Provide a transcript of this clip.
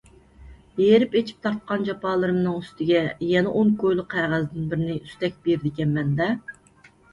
ھېرىپ - ئېچىپ تارتقان جاپالىرىمنىڭ ئۈستىگە يەنە ئون كويلۇق قەغەزدىن بىرنى ئۈستەك بېرىدىكەنمەن - دە؟!